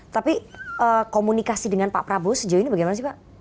tapi komunikasi dengan pak prabowo sejauh ini bagaimana sih pak